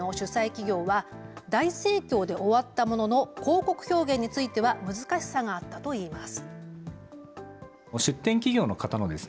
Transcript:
企業は大盛況で終わったものの広告表現については難しさがあったと言います。